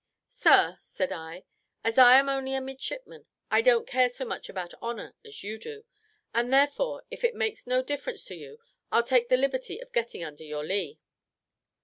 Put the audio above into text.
"Sir," said I, "as I am only a midshipman, I don't care so much about honour as you do; and, therefore, if it makes no difference to you, I'll take the liberty of getting under your lee."